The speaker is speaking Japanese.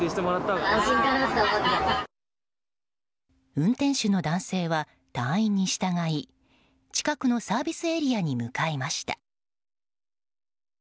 運転手の男性は、隊員に従い近くのサービスエリアに向かいました。